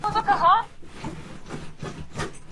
نړیوال پارلمانونه څنګه جوړېږي؟